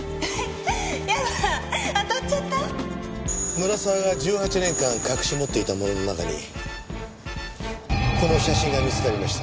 村沢が１８年間隠し持っていた物の中にこの写真が見つかりました。